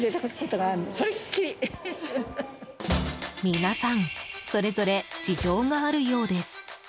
皆さんそれぞれ事情があるようです。